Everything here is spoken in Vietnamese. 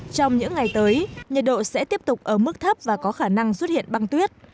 trong những ngày tới nhiệt độ sẽ tiếp tục ở mức thấp và có khả năng xuất hiện băng tuyết